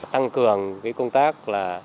tăng cường công tác